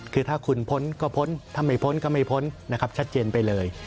คือถ้าคุณพ้นก็พ้นถ้าไม่พ้นก็ไม่พ้นนะครับชัดเจนไปเลย